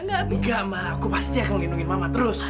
nggak ma aku pasti akan ngelindungin mama terus